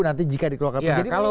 nanti jika dikeluarkan